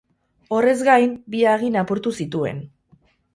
Horrez gain, bi agin apurtu zituen.